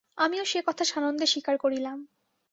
আমিও সে কথা সানন্দে স্বীকার করিলাম।